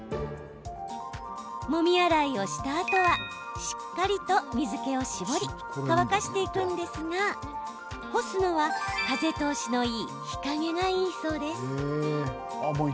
もみ洗いをしたあとはしっかりと水けを絞り乾かしていくんですが干すのは風通しのいい日陰がいいそうです。